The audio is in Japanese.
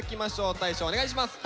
大昇お願いします！